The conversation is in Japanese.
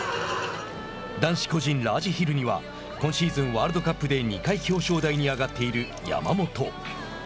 男子個人ラージヒルには今シーズン、ワールドカップで２回表彰台に上がっている山本。